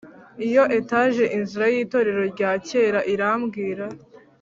iyo etage inzira y'itorero rya kera irabwira